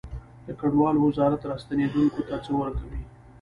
د کډوالو وزارت راستنیدونکو ته څه ورکوي؟